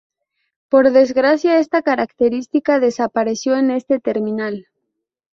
Por desgracia, esta característica desapareció en este terminal.